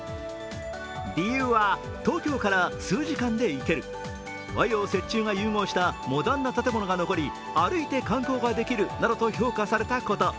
理由は、東京から数時間で行ける和洋折衷が融合したモダンな建物が残り、歩いて観光ができるなどと評価されたこと。